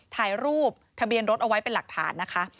ถ่ายรูปทะเบียนรถเอาไว้เป็นหลักฐานนะคะ